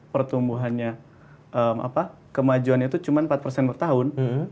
pertumbuhannya kemajuannya tuh cuma empat per tahun